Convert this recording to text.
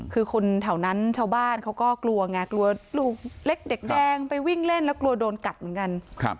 คือคนแถวนั้นชาวบ้านเขาก็กลัวไงกลัวลูกเล็กเด็กแดงไปวิ่งเล่นแล้วกลัวโดนกัดเหมือนกัน